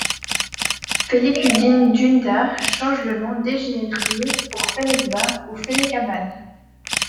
Feleküddin Dündar change le nom d’Eğirdir pour Felekbâr ou Felekâbâd.